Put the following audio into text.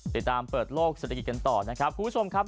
เปิดโลกเศรษฐกิจกันต่อนะครับคุณผู้ชมครับ